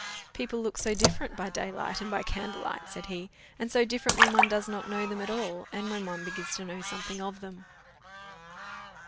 "People look so different by daylight and by candlelight," said he; "and so different when one does not know them at all, and when one begins to know something of them."